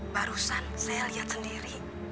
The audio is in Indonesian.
barusan saya lihat sendiri